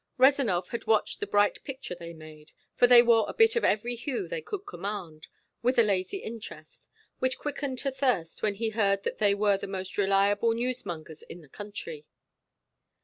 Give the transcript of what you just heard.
Rezanov had watched the bright picture they made for they wore a bit of every hue they could command with a lazy interest, which quickened to thirst when he heard that they were the most reliable newsmongers in the country.